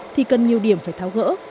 thì cần nhiều điểm phải tháo gỡ